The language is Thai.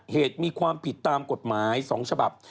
เหตุมีความผิดตามกฎหมาย๒ฉบับ